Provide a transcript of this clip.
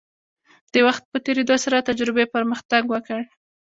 د وخت په تیریدو سره تجربې پرمختګ وکړ.